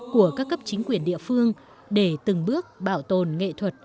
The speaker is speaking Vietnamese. của các cấp chính quyền địa phương để từng bước bảo tồn nghệ thuật